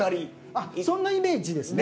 あっそんなイメージですね。